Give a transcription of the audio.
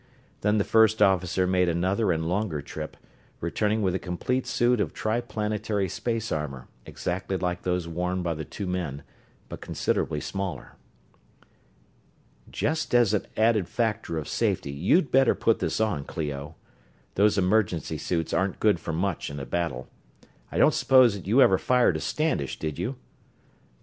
Then the first officer made another and longer trip, returning with a complete suit of triplanetary space armor, exactly like those worn by the two men, but considerably smaller. "Just as an added factor of safety, you'd better put this on, Clio those emergency suits aren't good for much in a battle. I don't suppose that you ever fired a Standish, did you?"